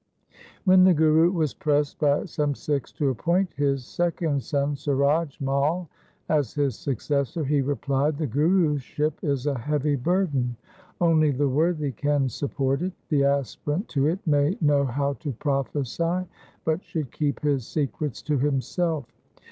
When the Guru was pressed by some Sikhs to appoint his second son Suraj Mai as his successor, he replied, ' The Guruship is a heavy burden. Only the worthy can support it. The aspirant to it may know how to prophesy, but should keep his secrets to himself.